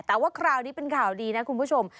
แต่ว่าคราวนี้เป็นข่าวดีนะคุณผู้ชม